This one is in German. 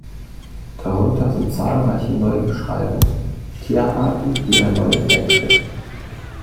Darunter sind zahlreiche Neubeschreibungen, Tierarten die er neu entdeckte.